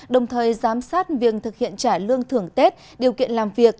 đồng thời giám sát việc thực hiện trả lương thưởng tết điều kiện làm việc